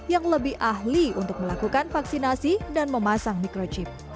yang lebih ahli untuk melakukan vaksinasi dan memasang microchip